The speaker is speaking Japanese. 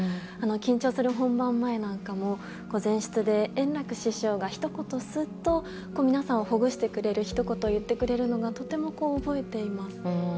緊張する本番前も前室で円楽師匠がひと言、すっと皆さんをほぐしてくれるひと言を言ってくださったのを覚えています。